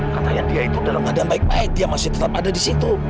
katanya dia itu dalam keadaan baik baik dia masih tetap ada di situ